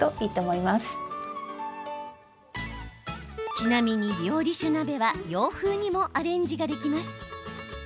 ちなみに、料理酒鍋は洋風にもアレンジができます。